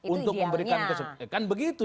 itu idealnya kan begitu